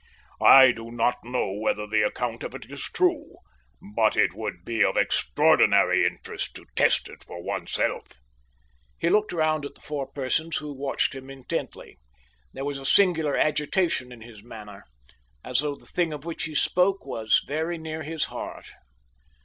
I do not know whether the account of it is true, but it would be of extraordinary interest to test it for oneself." He looked round at the four persons who watched him intently. There was a singular agitation in his manner, as though the thing of which he spoke was very near his heart.